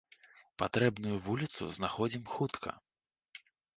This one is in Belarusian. Патрэбную вуліцу знаходзім хутка.